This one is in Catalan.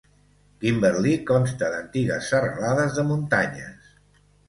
Kimberley consta d'antigues serralades de muntanyes.